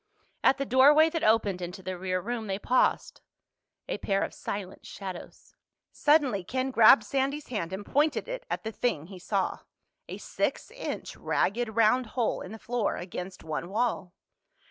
At the doorway that opened into the rear room they paused, a pair of silent shadows. Suddenly Ken grabbed Sandy's hand and pointed it at the thing he saw—a six inch ragged round hole in the floor against one wall.